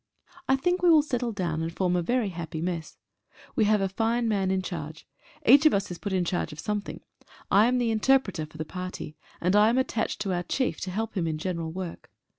I think we will settle down and form a very happy mess. We have a fine man in charge. Each of us is put in charge of something. I am the interpreter for the party, and I am attached to our Chief to help him in general work.